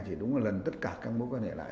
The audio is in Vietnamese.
thì đúng là lần tất cả các mối quan hệ lại